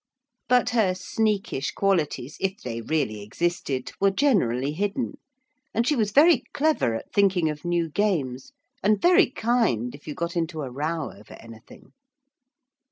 But her sneakish qualities, if they really existed, were generally hidden, and she was very clever at thinking of new games, and very kind if you got into a row over anything.